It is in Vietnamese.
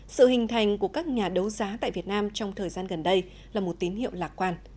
sự hình thành của các nhà đấu giá tại việt nam trong thời gian gần đây là một tín hiệu lạc quan